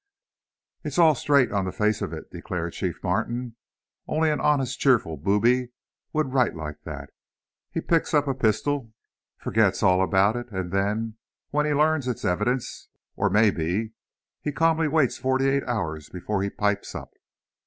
"It's all straight on the face of it," declared Chief Martin; "only an honest, cheerful booby would write like that! He picks up a pistol, forgets all about it, and then, when he learns it's evidence, or may be, he calmly waits forty eight hours before he pipes up!"